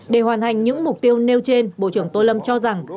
để hoàn thành những mục tiêu nêu trên bộ trưởng tô lâm cho rằng